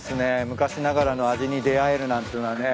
昔ながらの味に出合えるなんていうのはね。